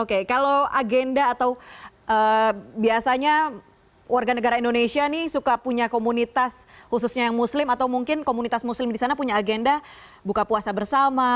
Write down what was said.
oke kalau agenda atau biasanya warga negara indonesia nih suka punya komunitas khususnya yang muslim atau mungkin komunitas muslim di sana punya agenda buka puasa bersama